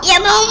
ya mau bu